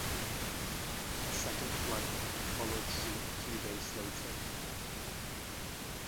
A second flight followed suit two days later.